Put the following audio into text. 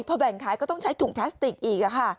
พอแบ่งขายก็ต้องใช้ถุงพลาสติกอีกค่ะ